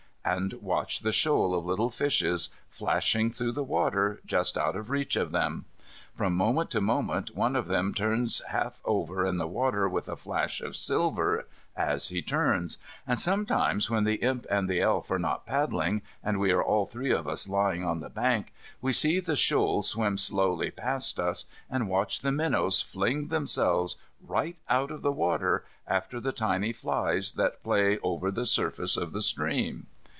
and watch the shoal of little fishes flashing through the water just out of reach of them. From moment to moment one of them turns half over in the water, with a flash of silver as he turns. And sometimes, when the Imp and the Elf are not paddling, and we are all three of us lying on the bank, we see the shoal swim slowly past us, and watch the minnows fling themselves right out of the water after the tiny flies that play over the surface of the stream.